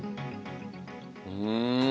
うん！